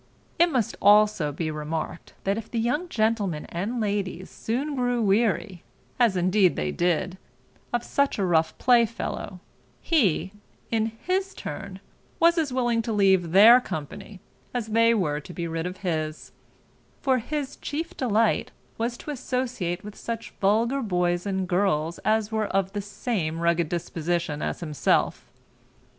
It must also be remarked, that if the young gentlemen and ladies soon grew weary, as indeed they did, of such a rough play fellow, he, in his turn, was as willing to leave their company, as they were to be rid of his; for his chief delight was to associate with such vulgar boys and girls as were of the same rugged disposition as himself.